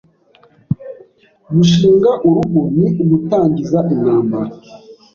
Gushinga urugo ni ugutangiza intambara